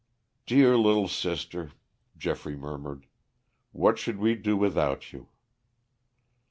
"Dear little sister," Geoffrey murmured. "What should we do without you?"